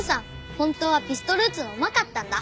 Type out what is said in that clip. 本当はピストル撃つのうまかったんだ。